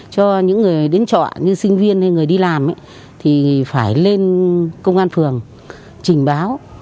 cho những người đến trọ như sinh viên hay người đi làm thì phải lên công an phường trình báo